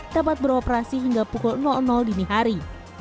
dapat beroperasi hingga pukul dini hari